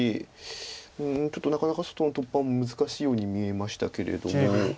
うんちょっとなかなか外の突破は難しいように見えましたけれども。